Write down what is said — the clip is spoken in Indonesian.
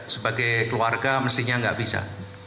sebagai keluarga mestinya nggak bisa